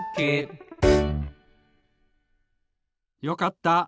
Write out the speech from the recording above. よかった。